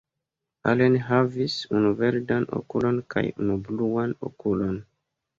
Allen havis unu verdan okulon kaj unu bluan okulon.